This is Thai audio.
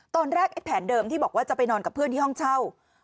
ไอ้แผนเดิมที่บอกว่าจะไปนอนกับเพื่อนที่ห้องเช่า